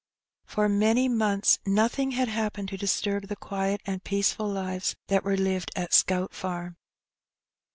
For many months nothing had happened to disturb the quiet and peaceful lives that were lived at Scout Farm.